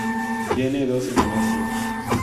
Tiene dos hermanastros.